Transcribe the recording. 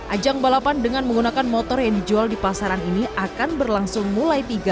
ajang balapan dengan menggunakan motor yang dijual di pasaran ini akan berlangsung mulai tiga hari